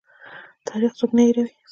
تاریخ څوک نه هیروي؟